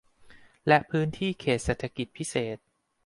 และพื้นที่เขตเศรษฐกิจพิเศษ